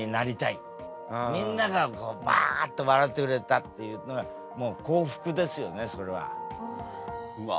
みんながバッと笑ってくれたっていうのがもう幸福ですよねそれは。うわ。